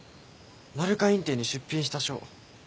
鳴華院展に出品した書。